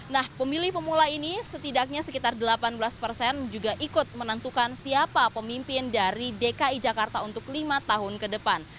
nah pemilih pemula ini setidaknya sekitar delapan belas persen juga ikut menentukan siapa pemimpin dari dki jakarta untuk lima tahun ke depan